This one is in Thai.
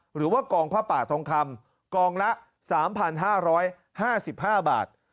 หรือว่ากองผ้าป่าทองคำกองละ๓๕๕บาท